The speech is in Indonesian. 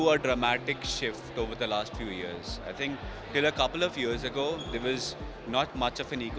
jadi saya pikir yang paling besar adalah fintech